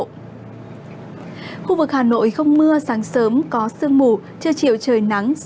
khu vực hà nội không mưa sáng sớm có sương mù trưa chiều trời nắng